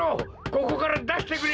ここからだしてくれ。